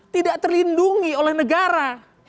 tidak terlindungi oleh negara